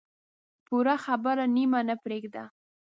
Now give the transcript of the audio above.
پوره خبره نیمه نه پرېږده.